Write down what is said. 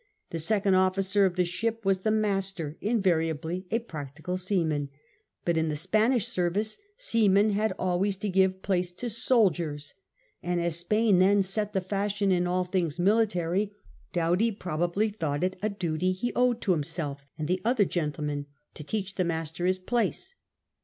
The second oflScer of the ship was the master, invariably a practical seaman ; but in the Spanish service seamen had always to give place to soldiers, and as Spain then set the fashion in all things military, Doughty probably thought it a duty he owed to himself and the other gentlemen to teach the master his place.